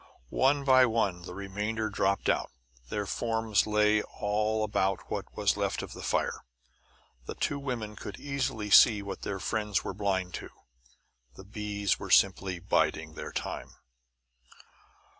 One by one the remainder dropped out; their forms lay all about what was left of the fire. The two women could easily see what their friends were blind to: the bees were simply biding their time.